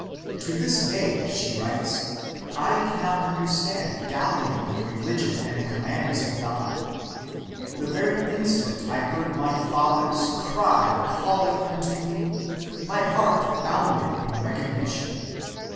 "To this day," she writes, "I cannot understand dallying with religion and the commands of God. The very instant I heard my Father's cry calling unto me, my heart bounded in recognition.